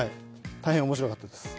大変面白かったです。